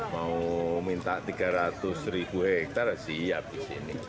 mau minta tiga ratus ribu hektare siap di sini